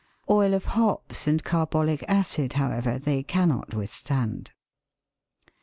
Oil of hops and carbolic acid, however, they cannot withstand.